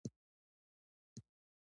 د چشت شریف مرمر څه رنګ لري؟